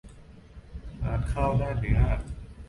ร้านข้าวหน้าเนื้อ